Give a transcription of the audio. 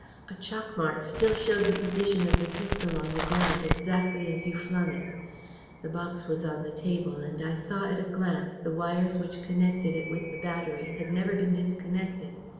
A chalk mark still showed the position of the pistol on the ground exactly as you flung it. The box was on the table, and I saw at a glance, the wires which connected it with the battery had never been disconnected.